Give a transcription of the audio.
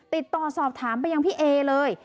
ติดต่อสอบถามไปยังพี่เอเลย